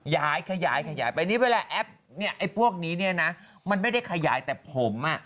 ขยายขยายไปนี่เวลาแอปเนี่ยไอ้พวกนี้เนี่ยนะมันไม่ได้ขยายแต่ผมอ่ะ